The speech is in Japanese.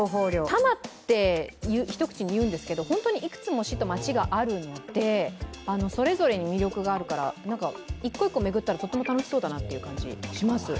多摩って一口に言うんですけどいくつも市と町があるのでそれぞれに魅力があるから一個一個巡ったら、とても楽しそうだなという感じします。